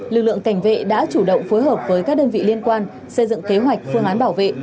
lực lượng cảnh vệ đã chủ động phối hợp với các đơn vị liên quan xây dựng kế hoạch phương án bảo vệ